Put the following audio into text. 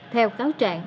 theo cáo trạng